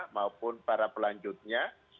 maupun para pelancong